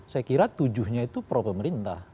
saya kira tujuhnya itu pro pemerintah